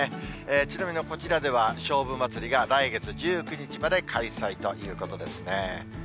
ちなみにこちらでは、菖蒲まつりが、来月１９日まで開催ということですね。